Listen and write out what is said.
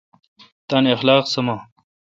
تان اخلاق سامہ۔